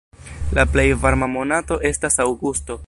La plej varma monato estas aŭgusto.